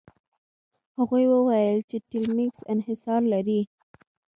هغوی وویل چې ټیلمکس انحصار لري.